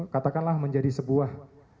katakanlah menjadi sebuah